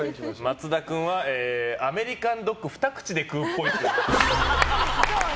松田君はアメリカンドッグ２口で食べるっぽい。